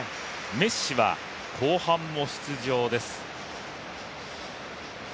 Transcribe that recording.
メッシは後半も出場です。